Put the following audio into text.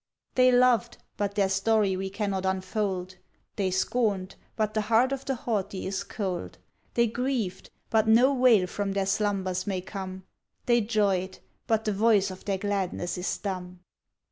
They loved, but their story we cannot unfold; They scorned, but the heart of the haughty is cold; They grieved, but no wail from their slumbers may come; They joyed, but the voice of their gladness is dumb.